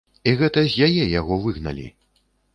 І гэта з яе яго выгналі.